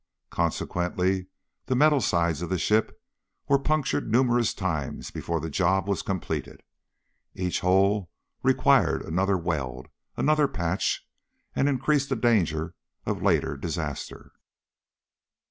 Consequently, the metal sides of the ship were punctured numerous times before the job was completed. Each hole required another weld, another patch, and increased the danger of later disaster.